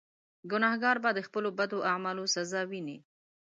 ګناهکار به د خپلو بدو اعمالو سزا ویني.